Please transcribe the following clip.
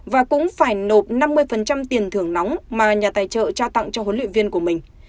và cũng phải nộp năm mươi tiền thưởng nóng mà nhà tài trợ trao tặng cho huấn luyện viên của mình